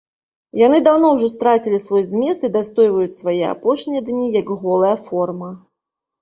Яны даўно ўжо страцілі свой змест і дастойваюць свае апошнія дні як голая форма.